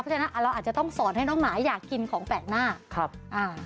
เพราะฉะนั้นเราอาจจะต้องสอนให้น้องหมาอยากกินของแปลกหน้าครับอ่า